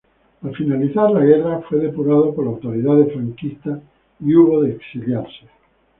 Al finalizar la guerra fue depurado por las autoridades franquistas y hubo de exiliarse.